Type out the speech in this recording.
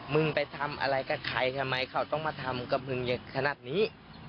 มึงไปทำอะไรกับใครทำไมเขาต้องมาทำกับมึงขนาดนี้